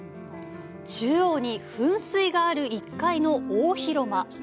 中央に噴水がある１階の大広間。